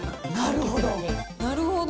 なるほど。